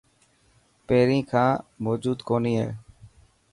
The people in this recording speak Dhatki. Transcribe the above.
پهرين کان موجون ڪوني هي.